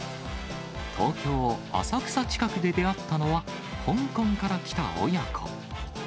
東京・浅草近くで出会ったのは、香港から来た親子。